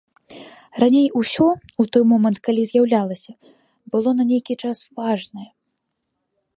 Раней усё, у той момант, калі з'яўлялася, было на нейкі час важнае.